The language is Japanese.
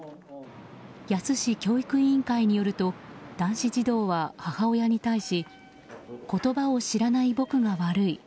野洲市教育委員会によると男子児童は母親に対し言葉を知らない僕が悪い。